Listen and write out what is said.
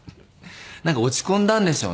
なんか落ち込んだんでしょうね。